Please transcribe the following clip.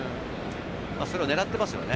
それを狙ってますよね。